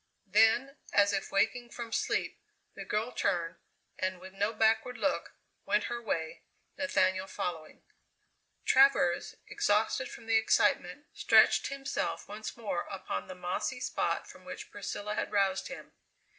Then, as if waking from sleep, the girl turned, and with no backward look, went her way, Nathaniel following. Travers, exhausted from the excitement, stretched himself once more upon the mossy spot from which Priscilla had roused him.